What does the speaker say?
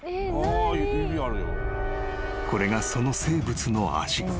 ［これがその生物の足］